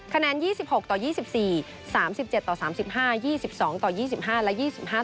คะแนน๒๖๒๔๓๗๓๕๒๒๒๕และ๒๕๑๕